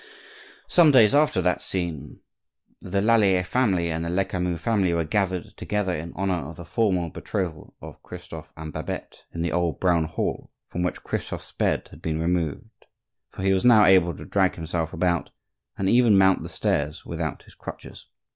Some days after that scene, the Lallier family and the Lecamus family were gathered together in honor of the formal betrothal of Christophe and Babette, in the old brown hall, from which Christophe's bed had been removed; for he was now able to drag himself about and even mount the stairs without his crutches.